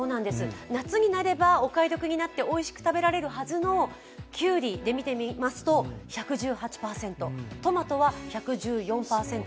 夏になればお買い得になっておいしく食べられるはずのきゅうりは１１８％、トマトは１１４％。